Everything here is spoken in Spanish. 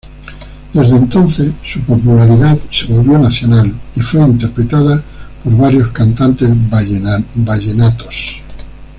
Desde entonces su popularidad se volvió nacional y fue interpretada por varios cantantes vallenatos.